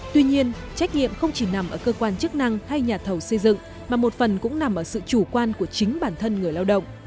tuy nhiên trách nhiệm không chỉ nằm ở cơ quan chức năng hay nhà thầu xây dựng mà một phần cũng nằm ở sự chủ quan của chính bản thân người lao động